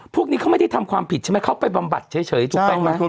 พวกนี้เขาไม่ได้ทำความผิดใช่ไหมเขาไปบำบัดเฉยถูกต้องไหม